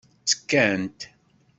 Ttekkant.